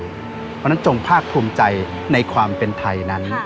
เพราะฉะนั้นจงภาคภูมิใจในความเป็นไทยนั้น